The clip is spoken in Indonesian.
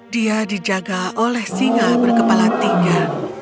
dia dijaga oleh singa berkepala tiga